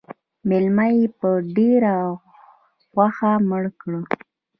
_مېلمه يې په ډېره غوښه مړ کړ.